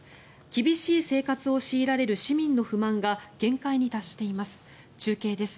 厳しい生活を強いられる市民の不満が限界に達しています。